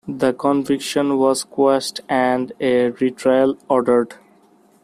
The conviction was quashed and a retrial ordered.